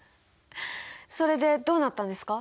それでどうなったんですか？